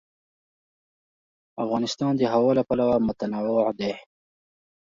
افغانستان د هوا له پلوه متنوع دی.